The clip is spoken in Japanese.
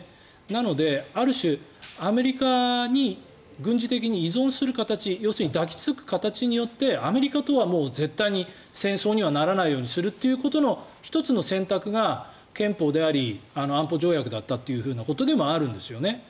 なので、ある種アメリカに軍事的に依存する形要するに抱き着く形によってアメリカとはもう絶対に戦争にならないようにするということの１つの選択が憲法であり安保条約であったということもあるんですね。